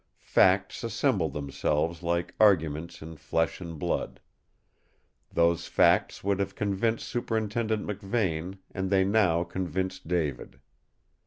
Facts assembled themselves like arguments in flesh and blood. Those facts would have convinced Superintendent McVane, and they now convinced David.